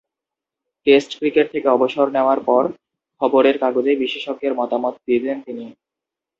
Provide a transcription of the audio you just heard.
Test cricket থেকে অবসর নেওয়ার পর খবরের কাগজে বিশেষজ্ঞের মতামত দিতেন তিনি।